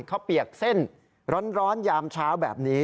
เปียกเส้นร้อนยามเช้าแบบนี้